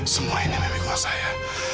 semua ini memikulkan saya